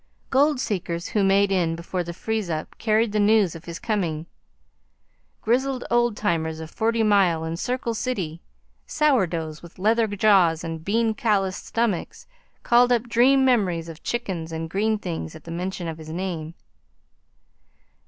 Gold seekers who made in before the freeze up carried the news of his coming. Grizzled old timers of Forty Mile and Circle City, sour doughs with leathern jaws and bean calloused stomachs, called up dream memories of chickens and green things at mention of his name.